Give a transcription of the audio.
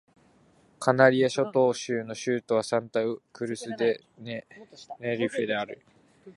カナリア諸島州の州都はサンタ・クルス・デ・テネリフェである